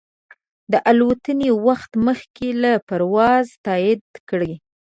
د الوتنې وخت مخکې له پروازه تایید کړه.